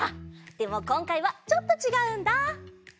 でもこんかいはちょっとちがうんだ。